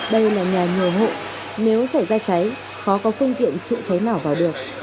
đây là nhà nhiều hộ nếu xảy ra cháy khó có phương tiện trụ cháy nào vào được